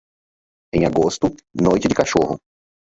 Em agosto, noite de cachorro.